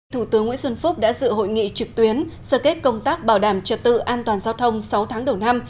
thủ tướng nguyễn xuân phúc đã dự hội nghị trực tuyến sơ kết công tác bảo đảm trật tự an toàn giao thông sáu tháng đầu năm